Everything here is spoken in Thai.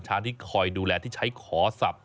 ช้างที่คอยดูแลที่ใช้ขอศัพท์